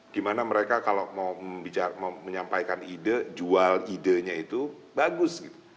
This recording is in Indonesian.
gimana mereka kalau mau menyampaikan ide jual idenya itu bagus gitu